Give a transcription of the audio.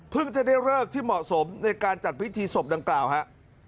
จะได้เลิกที่เหมาะสมในการจัดพิธีศพดังกล่าวฮะ